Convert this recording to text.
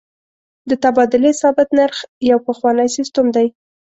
د تبادلې ثابت نرخ یو پخوانی سیستم دی.